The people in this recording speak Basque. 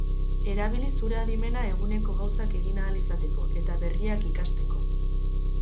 Erabili zure adimena eguneko gauzak egin ahal izateko, eta berriak ikasteko.